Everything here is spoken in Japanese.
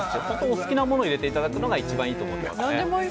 お好きな物入れていただくのが一番いいと思います。